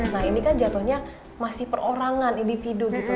nah ini kan jatuhnya masih perorangan individu gitu